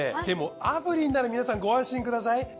でも炙輪なら皆さんご安心ください。